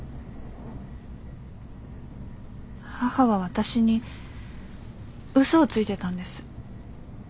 母は私に嘘をついてたんです。